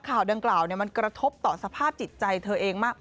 ข่าวดังกล่าวมันกระทบต่อสภาพจิตใจเธอเองมาก